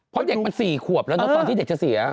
เพราะเด็กมัน๔ขวบแล้วเนอะตอนที่เด็กจะเสีย